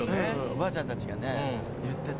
おばあちゃんたちがね言ってて。